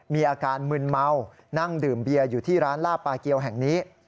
มีอาการมึนเมานั่งดื่มเบียร์อยู่ที่ร้านลาบปลาเกียวแห่งนี้